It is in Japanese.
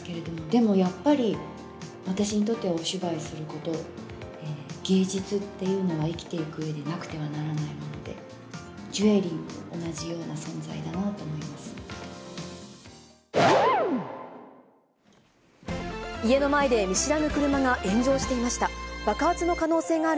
でもやっぱり、私にとってはお芝居すること、芸術っていうのは、生きていくうえで、なくてはならないもので、ジュエリーも同じよきょうの特集は、アツい現場で働く仕事人。